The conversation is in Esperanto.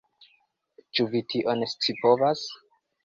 Ĉu vi tion scipovas?